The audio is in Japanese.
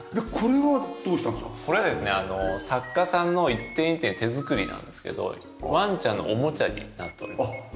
これはですね作家さんの一点一点手作りなんですけどワンちゃんのオモチャになっております。